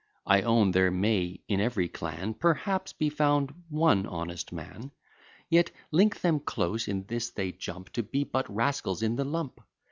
I own, there may, in every clan, Perhaps, be found one honest man; Yet link them close, in this they jump, To be but rascals in the lump.